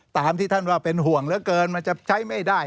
ตามที่ท่านว่าเป็นห่วงเหลือเกินมันจะใช้ไม่ได้